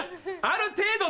ある程度。